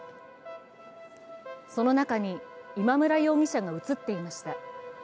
その中に、今村容疑者が映っていました。